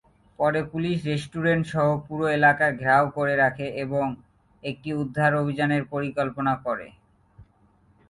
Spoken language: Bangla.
পরে পুলিশ রেস্টুরেন্ট সহ পুরো এলাকা ঘেরাও করে রাখে এবং একটি উদ্ধার অভিযানের পরিকল্পনা করে।